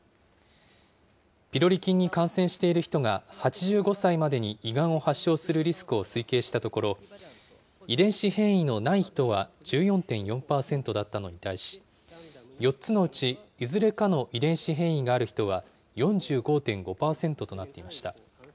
ピロリ菌に感染している人が８５歳までに胃がんを発症するリスクを推計したところ、遺伝子変異のない人は１４．４％だったのに対し、４つのうちいずれかの遺伝子変異がある人は４５．５％となっていました。